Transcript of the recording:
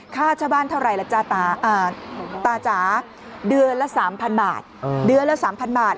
ค่าเช่าบ้านเท่าไหร่ล่ะจ๊ะตาจ๋าเดือนละ๓๐๐๐บาท